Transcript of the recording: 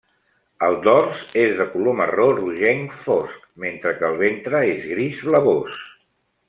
El dors és de color marró rogenc fosc, mentre que el ventre és gris blavós.